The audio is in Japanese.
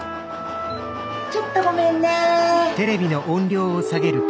ちょっとごめんね。